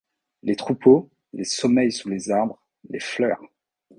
Les troupeaux, les sommeils sous les arbres, les fleurs